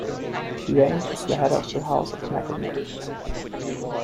He reigned as the head of the House of Mecklenburg.